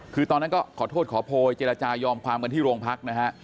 คือตอนนั้นก็ขอโทษขอโพยเจรจายอมความกันที่โรงพักนะฮะ